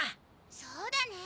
そうだね。